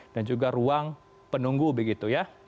dan juga ruang penunggu begitu ya